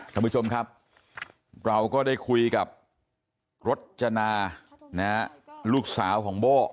ท่านผู้ชมครับเราก็ได้คุยกับรจนาลูกสาวของโบ้